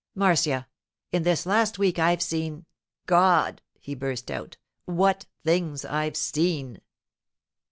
'Marcia, in this last week I've seen—God!' he burst out, 'what things I've seen!